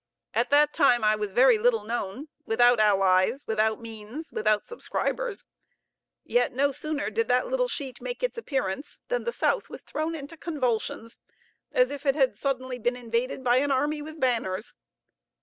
At that time I was very little known, without allies, without means, without subscribers; yet no sooner did that little sheet make its appearance, than the South was thrown into convulsions, as if it had suddenly been invaded by an army with banners!